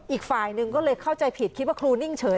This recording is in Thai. อีกฝ่ายหนึ่งก็เลยเข้าใจผิดคิดว่าครูนิ่งเฉย